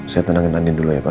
saya tenangin andi dulu ya pak